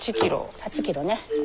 ８キロね。